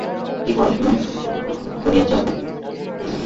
তিনি পড়াশোনা করেছিলেন আভিনিয়োঁ কলেজে।